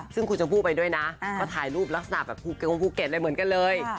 ซึ่งคุณส้มพูดไปด้วยนะก็ถ่ายรูปลักษณะแบบภูเกตอะไรเหมือนกันเลย